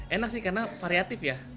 enak sih karena variatif ya